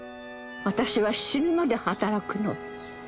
私は死ぬまで働くの。